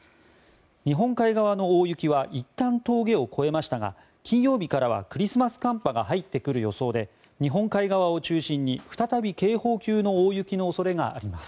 日本海側の大雪はいったん峠を越えましたが金曜日からはクリスマス寒波が入ってくる予想で日本海側を中心に、再び警報級の大雪の恐れがあります。